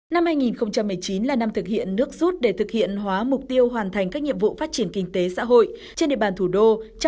năm hai nghìn một mươi chín là năm thực hiện nước rút để thực hiện hóa mục tiêu hoàn thành các nhiệm vụ phát triển kinh tế xã hội trên địa bàn thủ đô